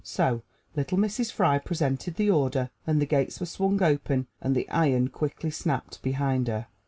So little Mrs. Fry presented the order, and the gates were swung open and the iron quickly snapped behind her.